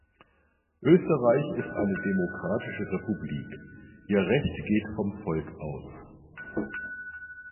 Österreich ist eine demokratische Republik. Ihr Recht geht vom Volk aus.